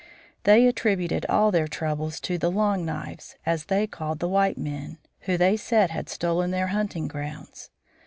They attributed all their troubles to the "Long Knives," as they called the white men, who, they said, had stolen their hunting grounds.